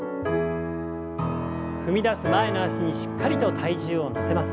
踏み出す前の脚にしっかりと体重を乗せます。